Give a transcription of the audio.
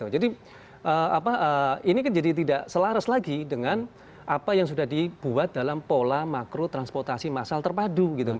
jadi ini kan jadi tidak selaras lagi dengan apa yang sudah dibuat dalam pola makro transportasi masal terpadu